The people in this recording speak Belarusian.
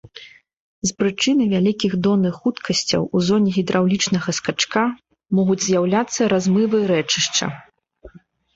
З прычыны вялікіх донных хуткасцяў у зоне гідраўлічнага скачка могуць з'яўляцца размывы рэчышча.